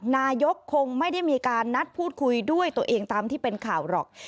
นายกคงไม่ได้มีการนัดพูดคุยด้วยตัวเองตามที่เป็นข่าวหรอก